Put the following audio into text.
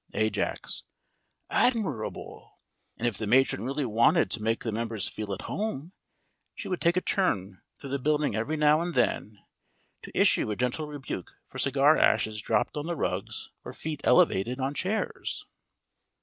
AJAX: Admirable! And if the matron really wanted to make the members feel at home she would take a turn through the building every now and then, to issue a gentle rebuke for cigar ashes dropped on the rugs or feet elevated on chairs.